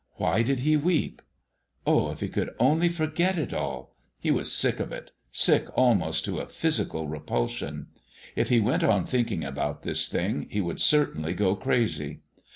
Why did He weep? Oh, if he could only forget it all! He was sick of it sick almost to a physical repulsion. If he went on thinking about this thing he would certainly go crazy.